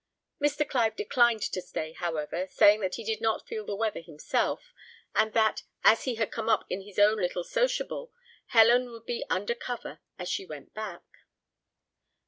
Mr. Clive declined to stay, however, saying that he did not feel the weather himself, and that, as he had come up in his own little sociable, Helen would be under cover as she went back.